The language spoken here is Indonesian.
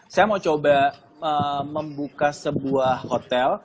saya mau coba membuka sebuah hotel